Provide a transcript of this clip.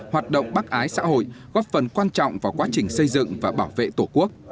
hoạt động bác ái xã hội góp phần quan trọng vào quá trình xây dựng và bảo vệ tổ quốc